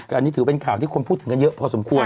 อันนี้ถือเป็นข่าวที่คนพูดถึงกันเยอะพอสมควร